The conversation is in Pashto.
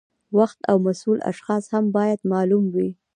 وخت او مسؤل اشخاص هم باید معلوم وي.